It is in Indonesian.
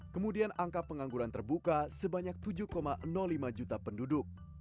kemudian angka pengangguran terbuka sebanyak tujuh lima juta penduduk